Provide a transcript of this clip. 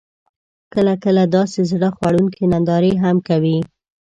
کله، کله داسې زړه خوړونکې نندارې هم کوي: